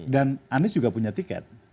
dan anies juga punya tiket